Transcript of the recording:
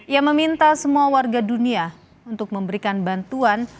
ia meminta semua warga dunia untuk memberikan bantuan